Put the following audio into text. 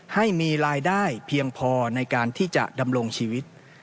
ให้มีรายได้เพียงพอในการที่จะดำรงชีวิต